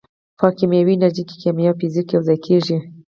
په کیمیاوي انجنیری کې کیمیا او فزیک یوځای کیږي.